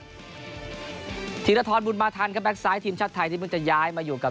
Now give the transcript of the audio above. ธีรทรบุญมาทันครับแก๊กซ้ายทีมชาติไทยที่เพิ่งจะย้ายมาอยู่กับ